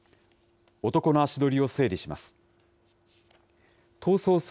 男の足取りを整理します。